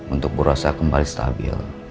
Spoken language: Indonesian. untuk burosa kembali stabil